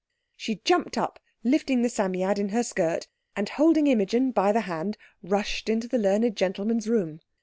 She jumped up lifting the Psammead in her skirt, and holding Imogen by the hand, rushed into the learned gentleman's room.